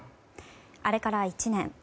あれから１年。